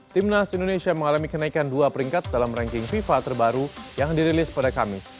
timnas indonesia mengalami kenaikan dua peringkat dalam ranking fifa terbaru yang dirilis pada kamis